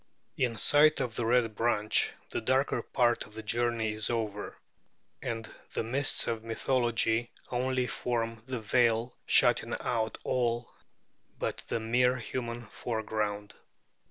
In sight of the Red Branch, the darker part of the journey is over; and the mists of mythology only form the veil shutting out all but the mere human foreground.